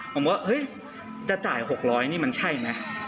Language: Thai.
ผมว่าเฮ้ยจะจ่าย๖๐๐นี่มันใช่ไหม